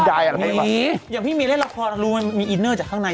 อย่างพี่มีเล่นละครรู้มันมีอินเนอร์จากข้างใน